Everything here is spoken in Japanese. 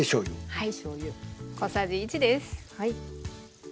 はい。